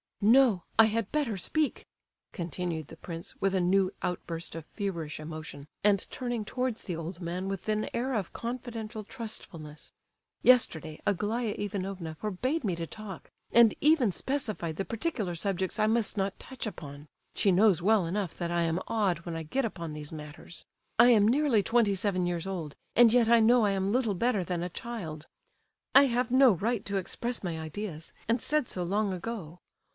"No, I had better speak," continued the prince, with a new outburst of feverish emotion, and turning towards the old man with an air of confidential trustfulness. "Yesterday, Aglaya Ivanovna forbade me to talk, and even specified the particular subjects I must not touch upon—she knows well enough that I am odd when I get upon these matters. I am nearly twenty seven years old, and yet I know I am little better than a child. I have no right to express my ideas, and said so long ago.